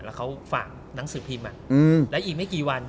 แล้วเขาฝากหนังสือพิมพ์และอีกไม่กี่วัน